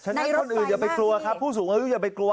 ฉะนั้นคนอื่นอย่าไปกลัวครับผู้สูงอายุอย่าไปกลัว